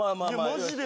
マジで。